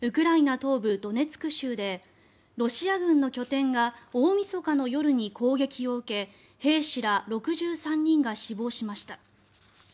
東部ドネツク州でロシア軍の拠点が大みそかの夜に攻撃を受け兵士ら６３人が死亡しました。